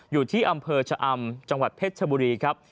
อยู่ที่อำเภอชะอำจังหวัดเพชรชบุรีครับ